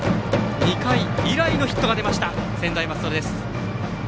２回以来のヒットが出ました専大松戸です。